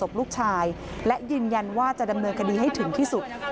ลูกชายและยืนยันว่าจะดำเนินคดีให้ถึงที่สุด